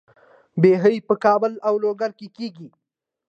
بیحي په کابل او لوګر کې کیږي.